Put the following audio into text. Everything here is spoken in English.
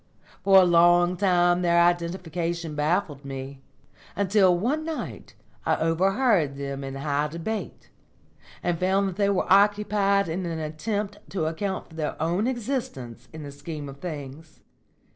For a long time their identification baffled me, until one night I overheard them in high debate, and found they were occupied in an attempt to account for their own existence in the scheme of things.